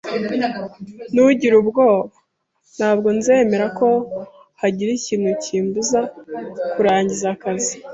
Ntugire ubwoba. Ntabwo nzemera ko hagira ikintu kimbuza kurangiza akazi.